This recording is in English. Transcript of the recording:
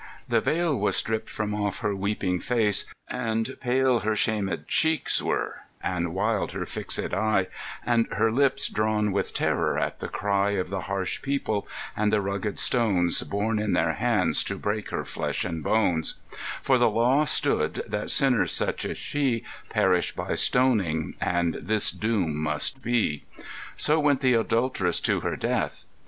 The veil Was stripped from off her weeping face, and pale Her shamed cheeks were, and wild her fixed eye, And her lips drawn with terror at the cry Of the harsh people, and the rugged stones Borne in their hands to break her flesh and bones; For the law stood that sinners such as she Perish by stoning, and this doom must be; So went the adult'ress to her death.